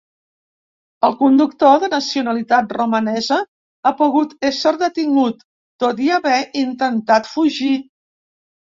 El conductor, de nacionalitat romanesa, ha pogut ésser detingut, tot i haver intentat fugir.